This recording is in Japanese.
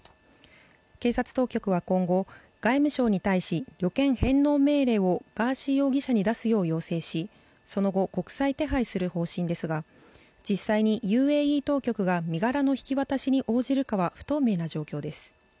警察当局は今後、外務省に対し旅券返納命令をガーシー容疑者に出すよう要請しその後、国際手配する方針ですが実際にＵＡＥ当局が身柄の引き渡しに応じるかは不透明な状況です。